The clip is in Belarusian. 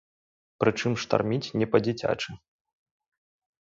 Прычым штарміць не па-дзіцячы.